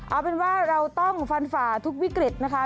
เอาเป็นว่าเราต้องฟันฝ่าทุกวิกฤตนะคะ